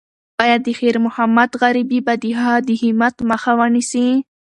ایا د خیر محمد غریبي به د هغه د همت مخه ونیسي؟